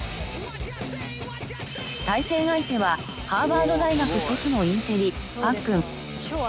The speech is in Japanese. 対戦相手はハーバード大学卒のインテリパックン。